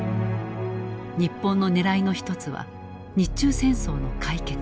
日本の狙いの一つは日中戦争の解決。